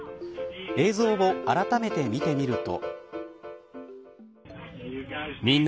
映像をあらためて見てみると。